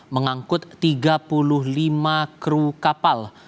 mengangkut tiga puluh lima kru kapal